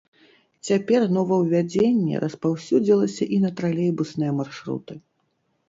Цяпер новаўвядзенне распаўсюдзілася і на тралейбусныя маршруты.